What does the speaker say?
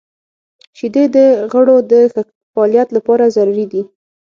• شیدې د غړو د ښه فعالیت لپاره ضروري دي.